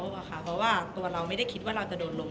เพราะว่าตัวเราไม่ได้คิดว่าเราจะโดนล้ม